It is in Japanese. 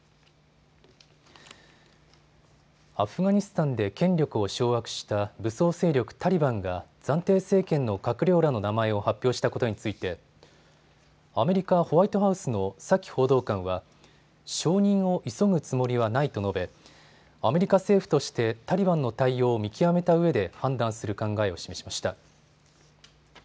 アフガニスタンで権力を掌握した武装勢力タリバンが暫定政権の閣僚らの名前を発表したことについてアメリカ、ホワイトハウスのサキ報道官は承認を急ぐつもりはないと述べアメリカ政府としてタリバンの対応を見極めたうえで判断する考えを示しました。